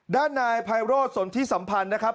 ด้านนายไพโรธสนทิสัมพันธ์นะครับ